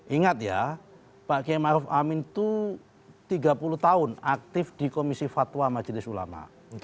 ingat ya pak kiai ⁇ maruf ⁇ amin itu tiga puluh tahun aktif di komisi fatwa majelis ulama